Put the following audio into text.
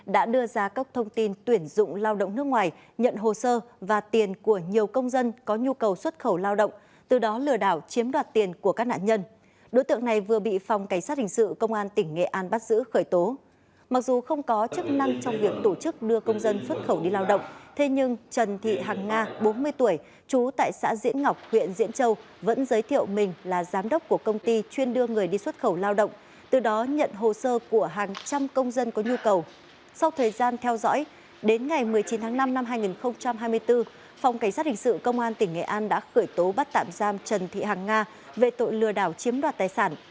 đến ngày một mươi chín tháng năm năm hai nghìn hai mươi bốn phòng cảnh sát hình sự công an tỉnh nghệ an đã khởi tố bắt tạm giam trần thị hằng nga về tội lừa đảo chiếm đoạt tài sản